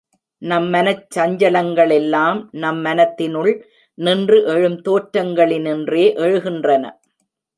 நம் மனச் சஞ்சலங்களெல்லாம் நம் மனத்தினுள் நின்று எழும் தோற்றங்களினின்றே எழுகின்றன.